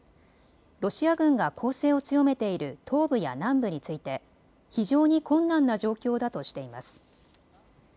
ロシア軍が攻勢を強めている東部や南部について非常に困難な状況だとしています。